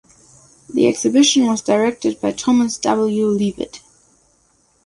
The exhibition was directed by Thomas W. Leavitt.